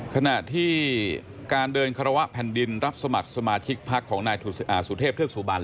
ขณะที่การเดินคารวะแผ่นดินรับสมัครสมาชิกพักของนายสุเทพเทือกสุบัน